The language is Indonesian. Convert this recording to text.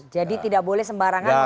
jadi tidak boleh sembarangan mengunggah